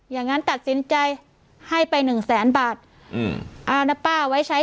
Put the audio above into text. อย่างนั้นตัดสินใจให้ไปหนึ่งแสนบาทอืมเอานะป้าไว้ใช้